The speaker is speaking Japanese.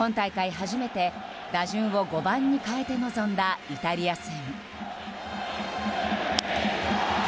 初めて打順を５番に変えて臨んだイタリア戦。